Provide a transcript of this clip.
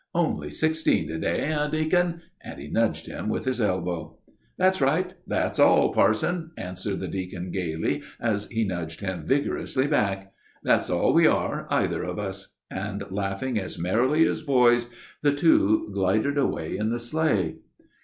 "Only sixteen to day, eh, deacon?" and he nudged him with his elbow. "That's all, that's all, parson," answered the deacon gayly, as he nudged him vigorously back; "that's all we are, either of us," and, laughing as merrily as two boys, the two glided away in the sleigh.